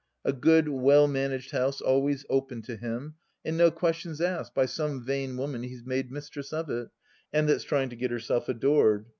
A good, well managed house always open to him, and no questions asked by some vain woman he's made mistress of it, and that's trying to get herself adored.